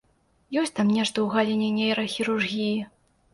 Ёсць там нешта ў галіне нейрахірургіі.